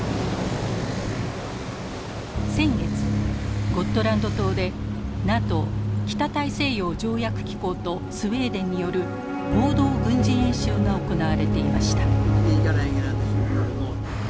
先月ゴットランド島でＮＡＴＯ北大西洋条約機構とスウェーデンによる合同軍事演習が行われていました。